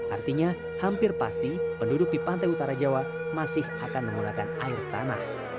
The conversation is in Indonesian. artinya hampir pasti penduduk di pantai utara jawa masih akan menggunakan air tanah